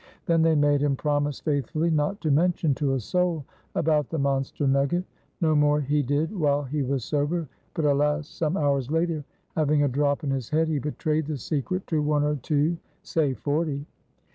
Then they made him promise faithfully not to mention to a soul about the monster nugget. No more he did while he was sober, but, alas! some hours later, having a drop in his head, he betrayed the secret to one or two say forty.